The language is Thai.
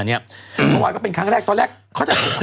เมื่อวานก็เป็นครั้งแรกตอนแรกเขาจะ